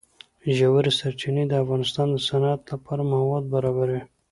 ژورې سرچینې د افغانستان د صنعت لپاره مواد برابروي.